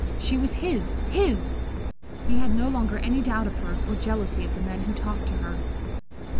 She was his his! He had no longer any doubt of her, or jealousy of the men who talked to her.